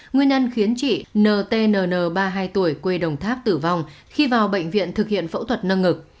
nguyên nhân khiến chị ntn ba mươi hai tuổi quê đồng tháp tử vong khi vào bệnh viện thực hiện phẫu thuật nâng ngực